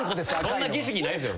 そんな儀式ないですよ